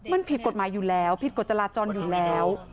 มันผิดกฎหมายอยู่แล้วผิดกฎจราจรอยู่แล้ว